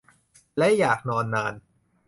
และอยากนอนนาน